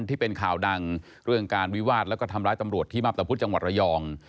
ที่เป็นข่าวดังเรื่องการวิวาดแล้วก็ทำร้ายตำรวจที่มาพตะพุธจังหวัดระยอง